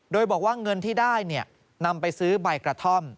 โดยบอกว่าเงินที่ได้นำไปซื้อใบกระท่อม